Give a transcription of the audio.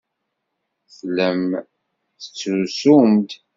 Tellam tettrusum-d.